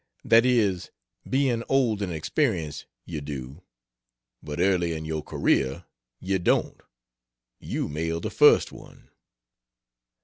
That is, being old and experienced, you do, but early in your career, you don't: you mail the first one.